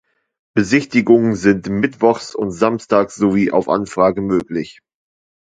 Besichtigungen sind mittwochs und samstags sowie auf Anfrage möglich.